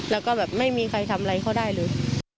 แล้วก็แบบไม่มีใครทำอะไรเขาได้เลย